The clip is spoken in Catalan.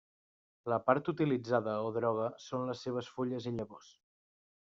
La part utilitzada o droga són les seves fulles i llavors.